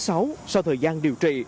sau thời gian điều trị